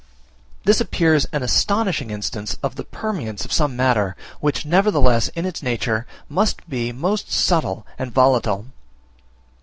This appears an astonishing instance of the permanence of some matter, which nevertheless in its nature must be most subtile and volatile.